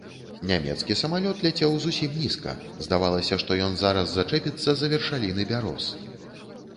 Нямецкі самалёт ляцеў зусім нізка, здавалася, што ён зараз зачэпіцца за вяршаліны бяроз.